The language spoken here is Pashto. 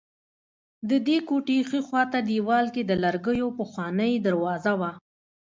ددې کوټې ښي خوا ته دېوال کې د لرګیو پخوانۍ دروازه وه.